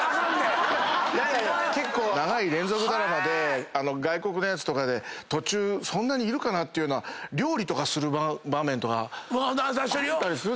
結構長い連続ドラマで外国のやつとかで途中そんなにいるかな？というような料理する場面とかあったりするでしょ。